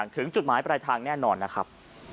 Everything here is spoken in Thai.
ถึงจุดหมายปลายทางแน่นอนนะครับ